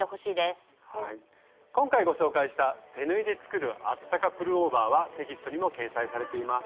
今回ご紹介した手縫いで作るあったかプルオーバーはテキストにも掲載されています。